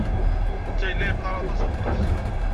Netta yella yeqqar aṭas, aṭas.